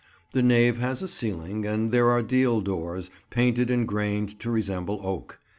The nave has a ceiling, and there are deal doors, painted and grained to resemble oak.